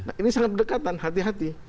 nah ini sangat berdekatan hati hati